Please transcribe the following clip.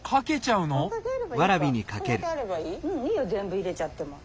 うんいいよ全部入れちゃっても。